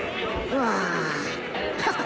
うわ！